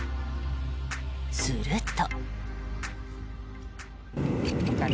すると。